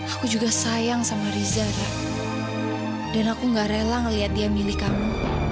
aku juga sayang sama riza ya dan aku gak rela ngeliat dia milih kamu